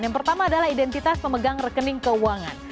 yang pertama adalah identitas pemegang rekening keuangan